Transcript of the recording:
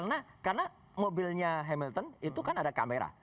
nah karena mobilnya hamilton itu kan ada kamera